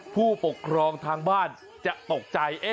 ผู้ปกครองทางบ้านจะตกใจ